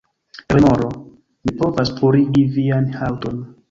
Remoro: "Mi povas purigi vian haŭton."